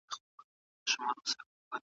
ماشوم ځان بریالی احساسوي.